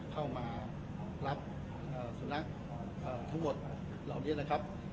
เข้ามารับเอ่อสนักเอ่อทั้งหมดแถวนี้ครับ